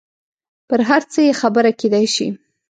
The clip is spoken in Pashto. پر هر څه یې خبره کېدای شي.